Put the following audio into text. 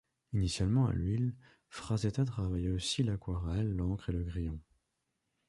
Initialement à l’huile, Frazetta travailla aussi l’aquarelle, l’encre, et le crayon.